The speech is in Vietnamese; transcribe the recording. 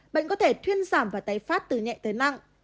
bệnh có thể thuyên giảm và tái phát từ nhẹ tới nặng